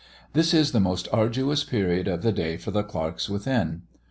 This is the most arduous period of the day for the clerks within.